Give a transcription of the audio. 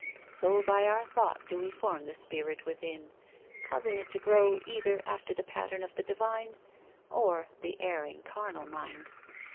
So by our thought do we form the spirit within, causing it to grow either after the pattern of the divine — or the erring carnal mind.